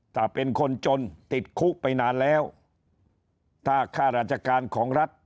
ถ้าเป็นคนจนติดคุกไปนานแล้วถ้าค่าราชการของรัฐ